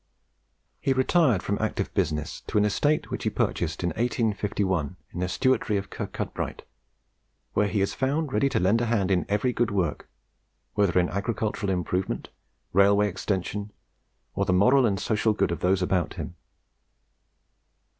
He retired from active business to an estate which he purchased in 1851 in the Stewartry of Kirkcudbright, where he is found ready to lend a hand in every good work whether in agricultural improvement, railway extension, or the moral and social good of those about him.